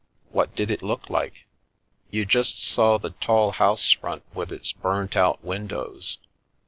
"What did it look like?" " You just saw the tall house front with its burnt out windows.